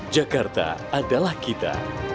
jakarta adalah kita